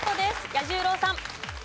彌十郎さん。